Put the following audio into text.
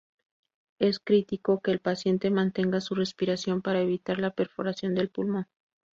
Es crítico que el paciente mantenga su respiración, para evitar la perforación del pulmón.